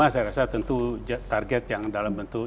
saya rasa tentu target yang dalam bentuk